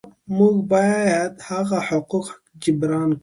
موږ باید هغه حقوق جبران کړو.